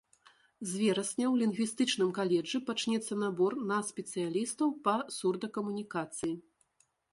З верасня ў лінгвістычным каледжы пачнецца набор на спецыялістаў па сурдакамунікацыі.